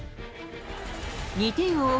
２点を追う